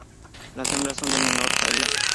Las hembras son de menor talla.